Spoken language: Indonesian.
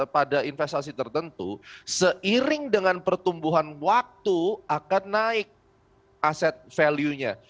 pada investasi tertentu seiring dengan pertumbuhan waktu akan naik aset value nya